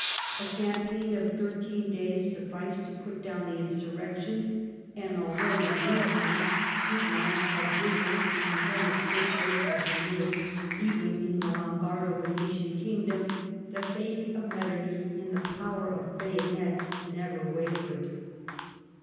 A cam])aign of thirteen days sufficed to put down the insurrection, and, although, in the meantime, Piedmont had risen, and demonstrations had been made even in the Lombardo Venetian kingdom, the faith of Metternich in the power of bayonets never wavered.